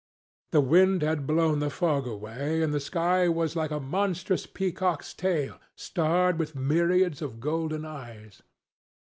The wind had blown the fog away, and the sky was like a monstrous peacock's tail, starred with myriads of golden eyes.